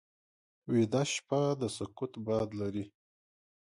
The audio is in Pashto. ویده شپه د سکوت باد لري